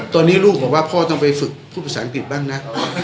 ตอนนี้ลูกบอกว่าพ่อต้องไปฝึกพูดภาษาอังกฤษบ้างนะ